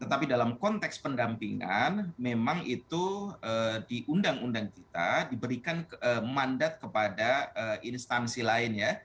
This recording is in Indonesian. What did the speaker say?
tetapi dalam konteks pendampingan memang itu di undang undang kita diberikan mandat kepada instansi lain ya